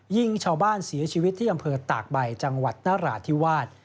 ยิงชาวบ้านเสียชีวิตที่อำเภอตากใบจังหวัดนราธิวาส